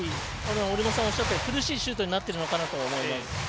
折茂さんがおっしゃった苦しいシュートになっているかなと思います。